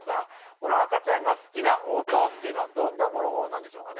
この赤ちゃんが好きな音っていうのはどんなものなんでしょうかね？